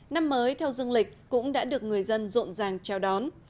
năm mới theo dương lịch cũng đã được người dân rộn ràng chào đón